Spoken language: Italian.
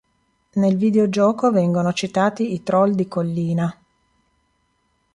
Nel videogioco vengono citati i "Troll di collina".